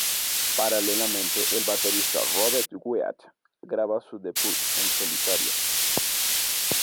Paralelamente el baterista Robert Wyatt graba su debut en solitario.